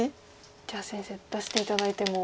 じゃあ先生出して頂いても。